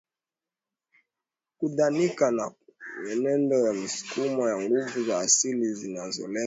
kudhanika kwa mienendo na misukumo ya nguvu za asili zinzzolenga